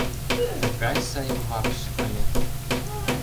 Тыгай сай вапш ыле.